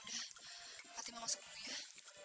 pak timah masuk dulu ya